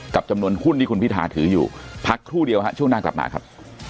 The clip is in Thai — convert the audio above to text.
จำนวนหุ้นที่คุณพิทาถืออยู่พักครู่เดียวฮะช่วงหน้ากลับมาครับ